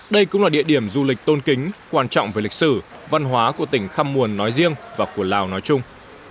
đây cũng là địa điểm du lịch tôn kính quan trọng về lịch sử văn hóa của tỉnh khăm muồn nói riêng và của lào nói chung